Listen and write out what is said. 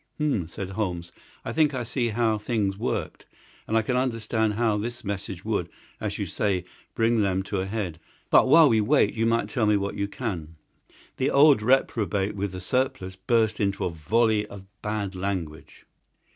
"Hum!" said Holmes. "I think I see how things worked, and I can understand how this message would, as you say, bring them to a head. But while we wait you might tell me what you can." The old reprobate with the surplice burst into a volley of bad language.